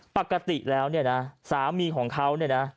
ปกติแล้วสามีของเขา